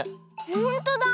ほんとだ。